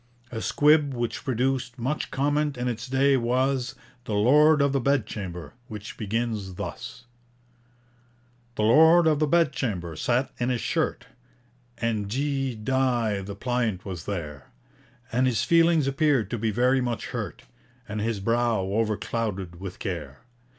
A squib which produced much comment in its day was 'The Lord of the Bedchamber,' which begins thus: The Lord of the Bedchamber sat in his shirt, (And D dy the pliant was there), And his feelings appeared to be very much hurt And his brow overclouded with care.